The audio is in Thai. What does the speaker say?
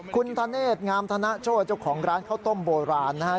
คุณธเนธงามธนโชธเจ้าของร้านข้าวต้มโบราณนะฮะ